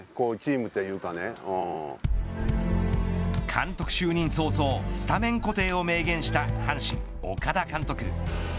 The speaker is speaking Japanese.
監督就任早々スタメン固定を明言した阪神、岡田監督。